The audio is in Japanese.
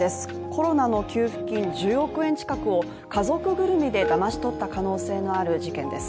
コロナの給付金１０億円近くを家族ぐるみで騙し取った可能性のある事件です。